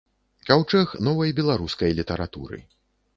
Каўчэг новай беларускай літаратуры.